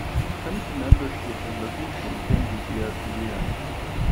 Committee membership and location changes year-to-year.